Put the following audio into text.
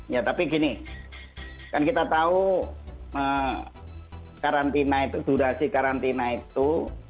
ya tapi gini kan kita tahu karantina itu durasi karantina itu